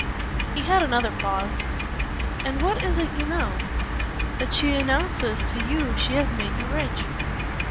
He had another pause. "And what is it you know?" "That she announces to you she has made you rich."